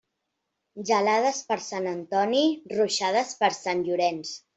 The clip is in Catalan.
Gelades per Sant Antoni, ruixades per Sant Llorenç.